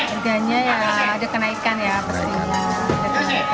adanya ya ada kenaikan ya pasti